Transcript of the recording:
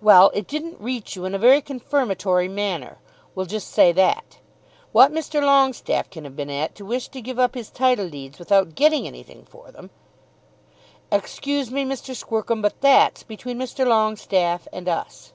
"Well; it didn't reach you in a very confirmatory manner. We'll just say that. What Mr. Longestaffe can have been at to wish to give up his title deeds without getting anything for them " "Excuse me, Mr. Squercum, but that's between Mr. Longestaffe and us."